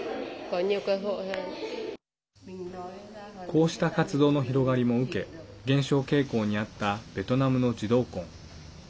こうした活動の広がりも受け減少傾向にあったベトナムの児童婚。